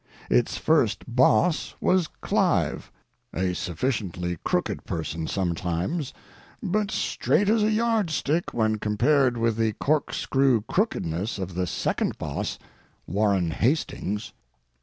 Its first boss was Clive, a sufficiently crooked person sometimes, but straight as a yard stick when compared with the corkscrew crookedness of the second boss, Warren Hastings.